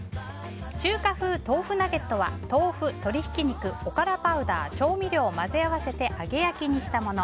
中華風豆腐ナゲットは豆腐、鶏ひき肉、おからパウダー調味料を混ぜ合わせて揚げ焼きにしたもの。